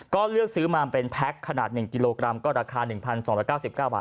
ก็เลือกซื้อมาเป็นแพ็คขนาด๑กิโลกรัมก็ราคา๑๒๙๙บาท